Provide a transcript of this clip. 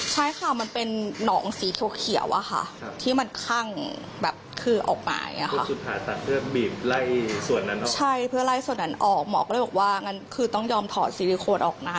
หมอก็เลยบอกว่าอย่างนั้นคือต้องยอมถอดซิลิโคนออกนะ